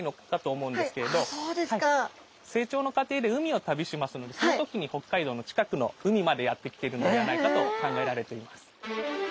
成長の過程で海を旅しますのでその時に北海道の近くの海までやって来ているのではないかと考えられています。